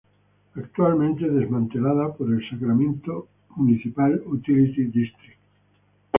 Actualmente desmantelada por el Sacramento Municipal Utility District.